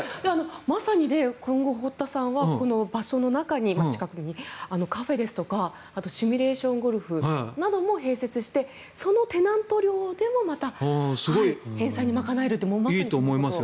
まさにで堀田さんはこの場所で近くに、カフェですとかシミュレーションゴルフなども併設して、そのテナント料でもまた返済を賄えると。